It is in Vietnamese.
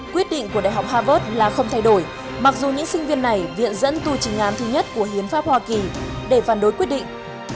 quyết định của đại học harvard là không thay đổi mặc dù những sinh viên này viện dẫn tu trình án thứ nhất của hiến pháp hoa kỳ để phản đối quyết định